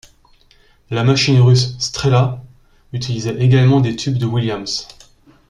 La machine russe Strela utilisait également des tubes de Williams.